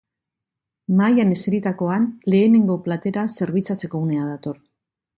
Mahaian eseritakoan, lehenengo platera zerbitzatzeko unea dator.